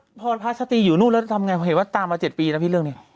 แล้วพรพระชาติอยู่นู่นแล้วจะทำยังไงเหตุว่าตามมา๗ปีนะพี่เรื่องนี้